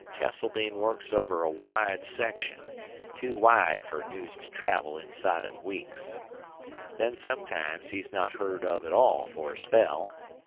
Cheseldine works over a wide section, too wide for news to travel inside of weeks. Then sometimes he's not heard of at all for a spell.